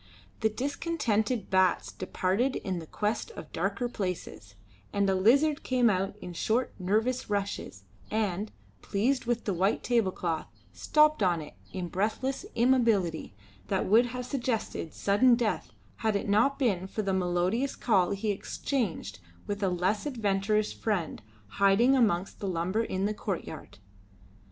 The discontented bats departed in quest of darker places, and a lizard came out in short, nervous rushes, and, pleased with the white table cloth, stopped on it in breathless immobility that would have suggested sudden death had it not been for the melodious call he exchanged with a less adventurous friend hiding amongst the lumber in the courtyard.